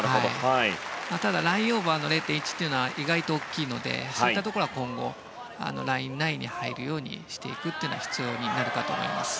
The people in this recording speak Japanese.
ただ、ラインオーバーの０．１というのは意外と大きいのでそういうところは今後ライン内に入るようにしていくのが必要になるかと思います。